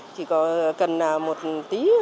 chỉ cần một tí